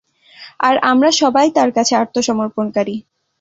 আর আমরা সবাই তাঁর কাছে আত্মসমর্পণকারী।